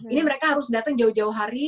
ini mereka harus datang jauh jauh hari